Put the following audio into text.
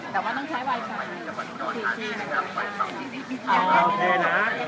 สวัสดีครับ